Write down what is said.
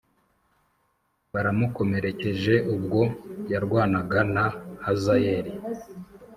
baramukomerekeje ubwo yarwanaga na Hazayeli